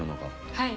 はい。